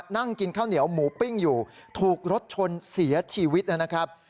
นั่งกินข้าวเหนียวหมูปิ้งอยู่ถูกรถชนเสียชีวิตนะครับ